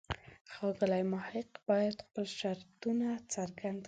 ښاغلی محق باید خپل شرطونه څرګند کړي.